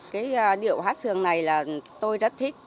cái điệu hát sườn này là tôi rất thích